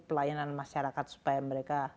pelayanan masyarakat supaya mereka